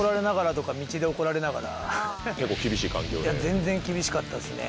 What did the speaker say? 全然厳しかったですね